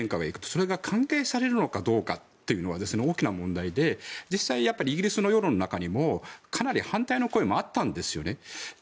それが歓迎されるかどうかというのは大きな問題で実際、イギリスの世論の中にもかなり反対の声もあったんですね。